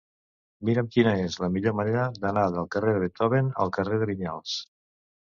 Mira'm quina és la millor manera d'anar del carrer de Beethoven al carrer de Vinyals.